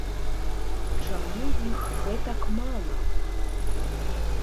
Чаму іх гэтак мала?